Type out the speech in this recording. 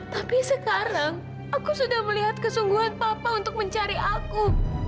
tapi sekarang aku sudah melihat kesungguhan papa untuk mencari aku